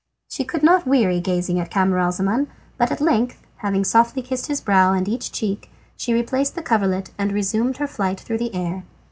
She could not weary gazing at Camaralzaman, but at length, having softly kissed his brow and each cheek, she replaced the coverlet and resumed her flight through the air.